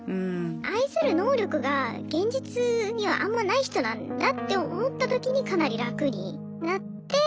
愛する能力が現実にはあんまない人なんだって思ったときにかなり楽になって。